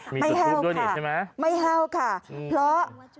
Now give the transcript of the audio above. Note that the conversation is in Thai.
ไม่แฮ่วค่ะไม่แฮ่วค่ะเพราะ